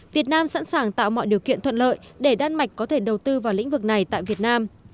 việt nam sẵn sàng tạo mọi điều kiện thuận lợi để đan mạch có thể đầu tư vào lĩnh vực này tại việt nam